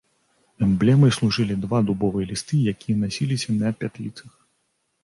Эмблемай служылі два дубовыя лісты, якія насіліся на пятліцах.